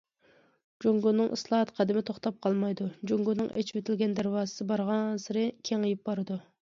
جۇڭگونىڭ ئىسلاھات قەدىمى توختاپ قالمايدۇ، جۇڭگونىڭ ئېچىۋېتىلگەن دەرۋازىسى بارغانسېرى كېڭىيىپ بارىدۇ.